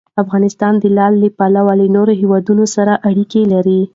افغانستان د لعل له پلوه له نورو هېوادونو سره اړیکې لري.